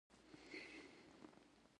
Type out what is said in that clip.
د نیل په وادۍ کې د اوبو لګونې سیستمونه شته